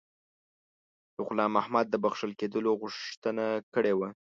د غلام محمد د بخښل کېدلو غوښتنه کړې وه.